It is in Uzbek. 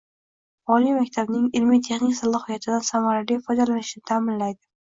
oliy maktabning ilmiy-texnik salohiyatidan samarali foydalanilishini ta’minlaydi;